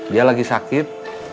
ketentuan burus sekat